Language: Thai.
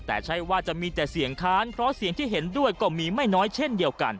แต่ใช่ว่าจะมีแต่เสียงค้านเพราะเสียงที่เห็นด้วยก็มีไม่น้อยเช่นเดียวกัน